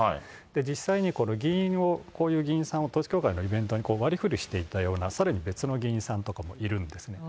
実際にこの議員を、こういう議員さんを統一教会のイベントに割りふりしていたような、さらに別の議員さんとかもいるんですね。